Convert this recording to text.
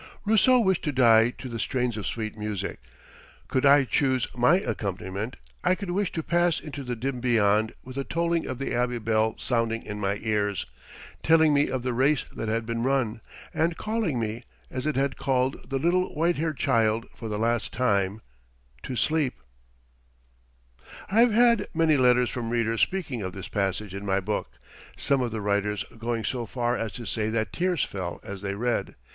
Rousseau wished to die to the strains of sweet music. Could I choose my accompaniment, I could wish to pass into the dim beyond with the tolling of the Abbey bell sounding in my ears, telling me of the race that had been run, and calling me, as it had called the little white haired child, for the last time to sleep. I have had many letters from readers speaking of this passage in my book, some of the writers going so far as to say that tears fell as they read.